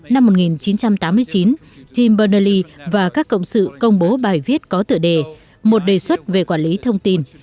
năm một nghìn chín trăm tám mươi chín tim bernally và các cộng sự công bố bài viết có tựa đề một đề xuất về quản lý thông tin